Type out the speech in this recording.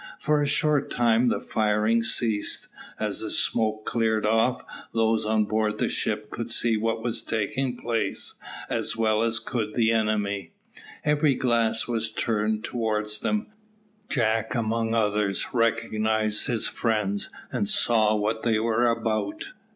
For a short time the firing ceased. As the smoke cleared off, those on board the ships could see what was taking place, as well as could the enemy. Every glass was turned towards them. Jack among others recognised his friends, and saw what they were about.